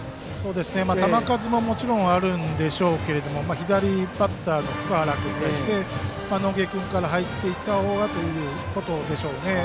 球数ももちろんあるんでしょうけど左バッターの福原君に対して野下君から入っていったほうがいいということでしょうね。